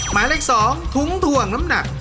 หมายเลข๒ถุงถ่วงน้ำหนัก